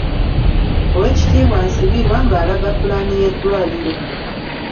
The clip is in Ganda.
Owekitiibwa Nsibirwa ng’alaga pulaani y’eddwaliro.